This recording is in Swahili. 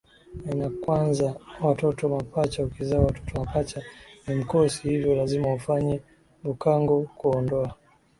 ainakwanza watoto mapacha Ukizaa watoto mapacha ni mkosi hivyo lazima ufanye bhukango kuondoa